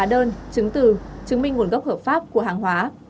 hóa đơn chứng từ chứng minh nguồn gốc hợp pháp của hàng hóa